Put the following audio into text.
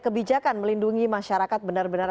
kebijakan melindungi masyarakat benar benar